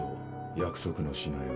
約束の品よ。